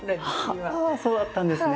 はあそうだったんですね！